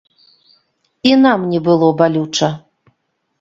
І нам не было балюча.